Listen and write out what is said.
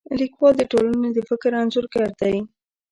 لیکوال د ټولنې د فکر انځورګر دی.